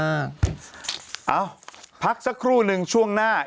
เอ้าพักสักครู่หนึ่งช่วงหน้า